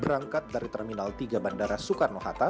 berangkat dari terminal tiga bandara soekarno hatta